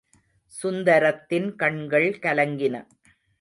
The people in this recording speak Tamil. சுந்தரத்தின் கண்கள் கலங்கின.